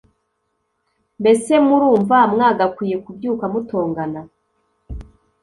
mbese murumva mwagakwiye kubyuka mutongana